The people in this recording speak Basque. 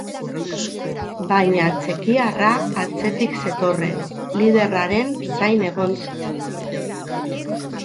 Baina txekiarra atzetik zetorren liderraren zain egon zen.